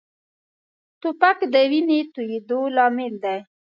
توپک د وینې تویېدو لامل دی.